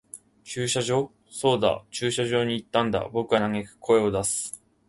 駐車場。そうだ、駐車場に行ったんだ。僕は呟く、声を出す。